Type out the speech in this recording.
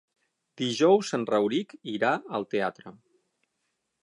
Dijous en Rauric irà al teatre.